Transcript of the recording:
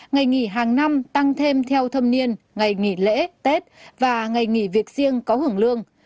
ngày nghỉ hàng năm tăng thêm theo thâm niên ngày nghỉ lễ tết và ngày nghỉ việc riêng có hưởng lương